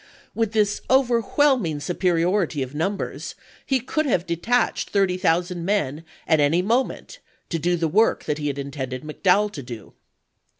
With this overwhelming superiority of numbers he could have detached thu'ty thousand men at any moment to do the work that he had intended McDowell to do.